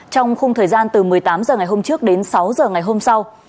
trong khung thời gian từ một mươi tám giờ ngày hôm trước đến sáu giờ ngày hôm sau